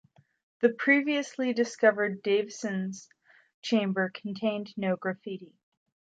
The previously discovered Davison's chamber contained no graffiti.